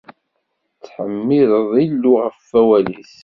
Ttḥemmideɣ Illu ɣef wawal-is.